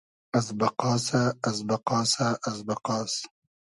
از بئقاسۂ از بئقاسۂ از بئقاس